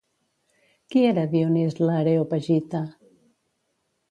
Qui era Dionís l'Areopagita?